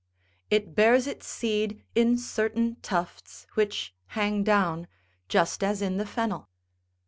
It bears its seed in certain tufts, which hang down, just as in the fennel.